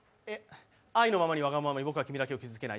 「愛のままにわがままに僕は君だけを傷つけない」